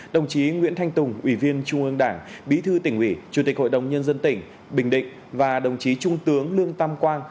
đồng chí nguyễn thanh tùng ủy viên trung ương đảng bí thư tỉnh ủy chủ tịch hội đồng nhân dân tỉnh bình định và đồng chí trung tướng lương tam quang